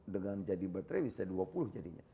satu dengan jadi betre bisa dua puluh jadinya